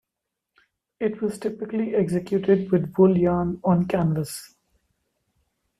It was typically executed with wool yarn on canvas.